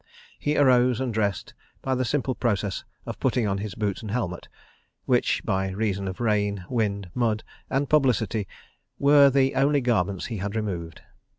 He arose and dressed, by the simple process of putting on his boots and helmet, which, by reason of rain, wind, mud and publicity, were the only garments he had removed.